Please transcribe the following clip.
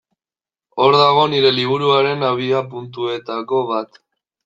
Hor dago nire liburuaren abiapuntuetako bat.